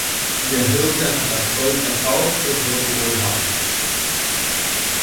Der Hirte hat das Gold verkauft und wurde wohlhabend.